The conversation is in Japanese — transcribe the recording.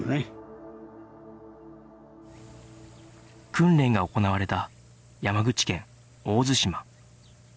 訓練が行われた山口県大津島